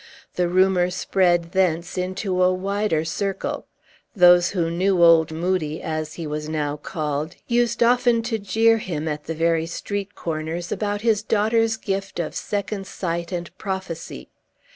The rumor spread thence into a wider circle. Those who knew old Moodie, as he was now called, used often to jeer him, at the very street corners, about his daughter's gift of second sight and prophecy.